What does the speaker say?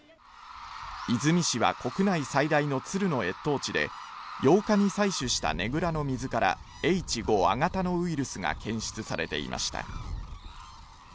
出水市は国内最大のツルの越冬地です８日に採取したねぐらの水からＨ５亜型のウイルスが検出されていました